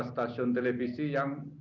stasiun televisi yang